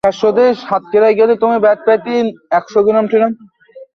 তো স্যার, আপনার কী মনে হয়, তারা দুইজন এসেছিল নিশ্চয়ই?